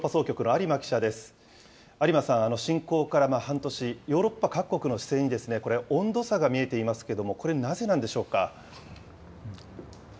有馬さん、侵攻から半年、ヨーロッパ各国の姿勢に温度差が見えていますけども、これ、なぜなんでしょうか。